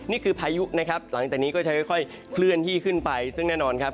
พายุนะครับหลังจากนี้ก็จะค่อยเคลื่อนที่ขึ้นไปซึ่งแน่นอนครับ